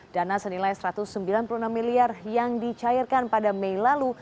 dana senilai satu ratus sembilan puluh enam miliar yang dicairkan pada mei lalu